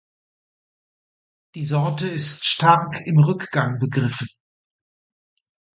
Die Sorte ist stark im Rückgang begriffen.